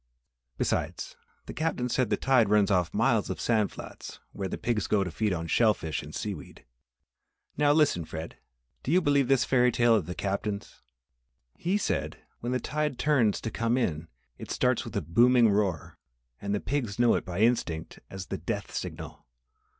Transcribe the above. "Besides, the Captain said the tide runs off of miles of sand flats where the pigs go to feed on shell fish and seaweed. Now listen, Fred! Do you believe this fairy tale of the Captain's? He said: 'When the tide turns to come in it starts with a booming roar and the pigs know it by instinct as the death signal.